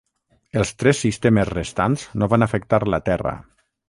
Els tres sistemes restants no van afectar la terra.